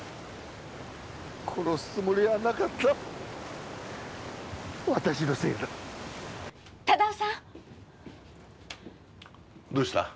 殺すつもりはなかった私のせいだ・忠雄さんどうした？